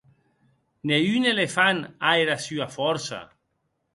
Ne un elefant a era sua fòrça.